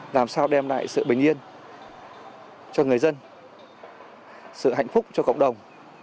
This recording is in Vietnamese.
làm sao đem lại sự bình yên cho người dân sự hạnh phúc cho cộng đồng